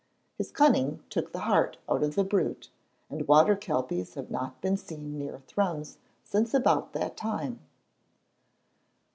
His cunning took the heart out of the brute, and water kelpies have not been seen near Thrums since about that time.